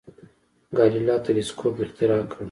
ګالیله تلسکوپ اختراع کړ.